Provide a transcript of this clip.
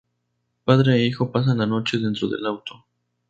Padre e hijo pasan la noche dentro del auto.